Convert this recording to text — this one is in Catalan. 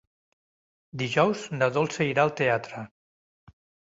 Dijous na Dolça irà al teatre.